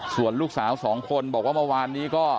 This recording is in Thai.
ส่วนลูกสาวสองคนบอกว่าเมื่อวานนี้ก็